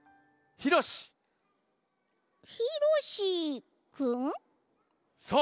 ひろしくん？そう。